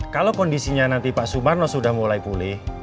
kalau kondisinya nanti pak sumarno sudah mulai pulih